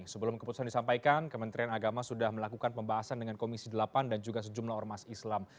sebelum keputusan disampaikan kementerian agama sudah melakukan pembahasan dengan komisi delapan dan juga sejumlah ormas islam